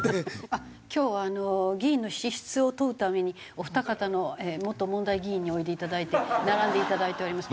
今日は議員の資質を問うためにお二方の元問題議員においでいただいて並んでいただいております。